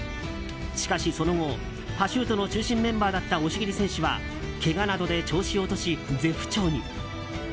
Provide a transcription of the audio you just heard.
しかし、その後パシュートの中心メンバーだった押切選手はけがなどで調子を落とし絶不調に。